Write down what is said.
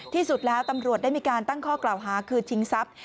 ที่สุดแล้วตำรวจได้มีการตั้งข้อกล่าวหาคือชิงทรัพย์